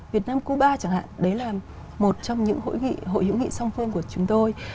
việt nam cuba chẳng hạn đấy là một trong những hội hữu nghị song phương của chúng tôi